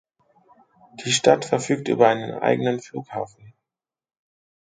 Die Stadt verfügt über einen eigenen Flughafen.